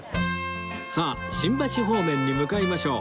さあ新橋方面に向かいましょう